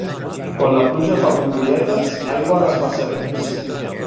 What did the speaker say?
Quan la pluja fa bombolletes, aigua a les bassetes.